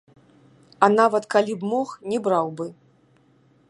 А нават калі б мог, не браў бы.